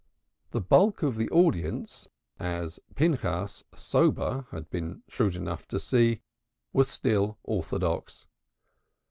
The bulk of the audience, as Pinchas, sober, had been shrewd enough to see, was still orthodox.